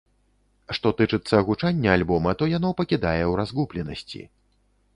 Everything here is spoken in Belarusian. Што тычыцца гучання альбома, то яно пакідае ў разгубленасці.